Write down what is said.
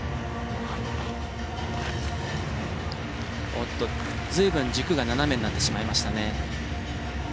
おっと随分軸が斜めになってしまいましたね。